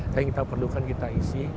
tapi kita perlukan kita isi